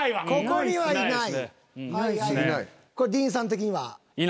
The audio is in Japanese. これディーンさん的には？